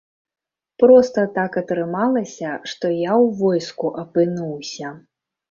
Проста так атрымалася, што я ў войску апынуўся.